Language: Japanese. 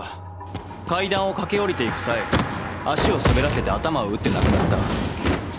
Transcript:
階段を駆け降りていく際足を滑らせて頭を打って亡くなった。